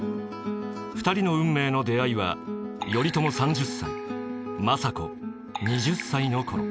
２人の運命の出会いは頼朝３０歳政子２０歳のころ。